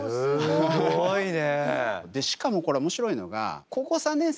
すごいね。